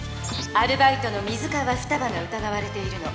アルバイトの水川ふたばがうたがわれているの。